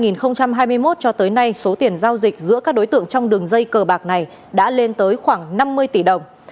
năm hai nghìn hai mươi một cho tới nay số tiền giao dịch giữa các đối tượng trong đường dây cờ bạc này đã lên tới khoảng năm mươi tỷ đồng